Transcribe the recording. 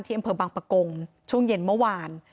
อำเภอบางปะกงช่วงเย็นเมื่อวาน